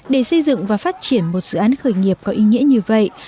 để xây dựng và phát triển một dự án khởi nghiệp có ý nghĩa như vậy